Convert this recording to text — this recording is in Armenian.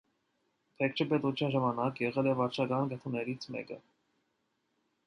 Բեկչե պետության ժամանակ եղել է վարչական կենտրոններից մեկը։